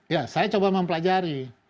ya saya coba mempelajari